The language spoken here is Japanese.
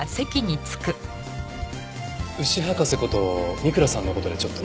牛博士こと三倉さんの事でちょっと。